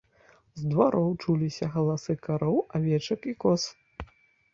З двароў чуліся галасы кароў, авечак і коз.